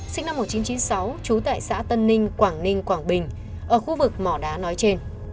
sinh năm một nghìn chín trăm chín mươi sáu trú tại xã tân ninh quảng ninh quảng bình ở khu vực mỏ đá nói trên